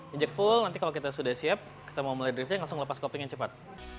ngejek full nanti kalau kita sudah siap kita mau mulai driftnya langsung lepas coping yang cepat